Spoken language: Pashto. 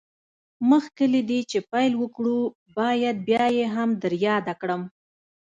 مخکې له دې چې پيل وکړو بايد بيا يې هم در ياده کړم.